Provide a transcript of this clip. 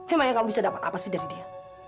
emang yang kamu bisa dapat apa sih dari dia